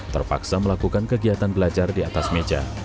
terpaksa melakukan kegiatan belajar di atas meja